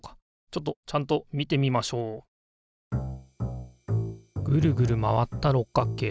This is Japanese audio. ちょっとちゃんと見てみましょうぐるぐる回った六角形。